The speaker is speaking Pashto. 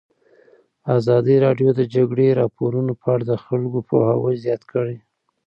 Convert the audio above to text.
ازادي راډیو د د جګړې راپورونه په اړه د خلکو پوهاوی زیات کړی.